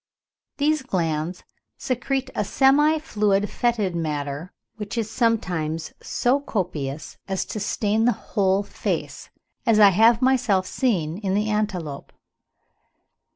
These glands secrete a semi fluid fetid matter which is sometimes so copious as to stain the whole face, as I have myself seen in an antelope.